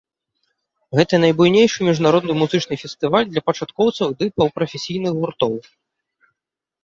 Гэта найбуйнейшы міжнародны музычны фестываль для пачаткоўцаў ды паўпрафесійных гуртоў.